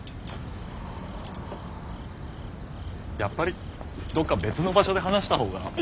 やっぱりどっか別の場所で話した方が。